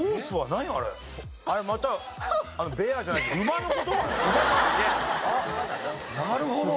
なるほど！